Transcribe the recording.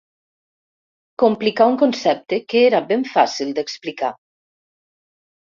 Complicar un concepte que era ben fàcil d'explicar.